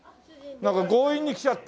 なんか強引に来ちゃって。